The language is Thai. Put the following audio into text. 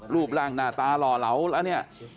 รูปร่างหน้าตาหล่อเหลาแล้วเนี่ย